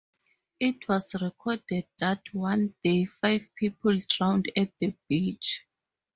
It was recorded that one day, five people drowned at the beach.